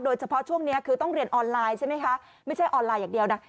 ช่วงนี้คือต้องเรียนออนไลน์ใช่ไหมคะไม่ใช่ออนไลน์อย่างเดียวนะ